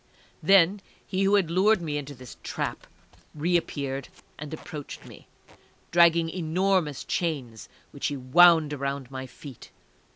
Then he who had lured me into this trap reappeared and approached me, dragging enormous chains, which he wound around my feet.